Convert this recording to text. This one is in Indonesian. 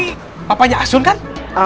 ini papanya asun kan